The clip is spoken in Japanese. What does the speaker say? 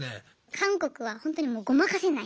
韓国はほんとにもうごまかせない。